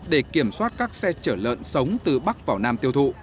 để kiểm soát các xe chở lợn sống từ bắc vào nam tiêu thụ